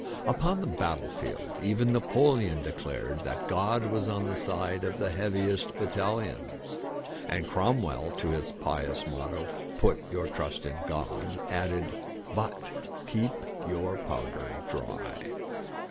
Upon the battle field, even Napoleon declared that God was on the side of the heaviest battalions, and Cromwell, to his pious motto, " Put your trust in God," added, " but keep your powder dry."